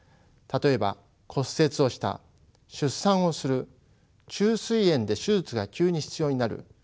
例えば骨折をした出産をする虫垂炎で手術が急に必要になる。